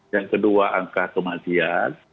yang kedua angka kematian